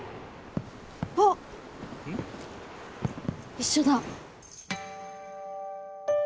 一緒だ。